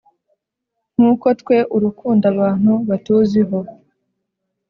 nkuko twe urukundo abantu batuziho